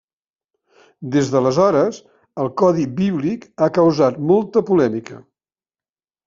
Des d'aleshores, el codi bíblic ha causat molta polèmica.